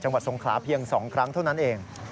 จังหวัดทรงขลาเพียงสองครั้งเท่านั้นเอง